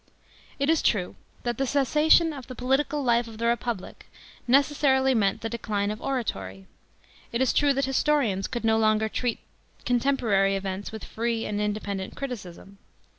It is true that the cessation of the political life of the Republic necessarily meant the decline of oratory ; it is true that historians could no longer treat contemporary events with free and independent criticism.